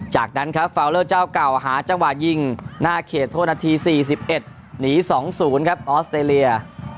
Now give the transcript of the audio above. จากนั้นครับฟาวเลอร์เจ้าเก่าหาจังหวะยิงหน้าเขตโทษนาที๔๑หนี๒๐ครับออสเตรเลีย